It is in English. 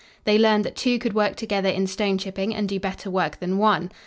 They learned that two could work together in stone chipping and do better work than one.